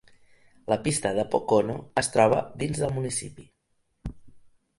La pista de Pocono es troba dins el municipi.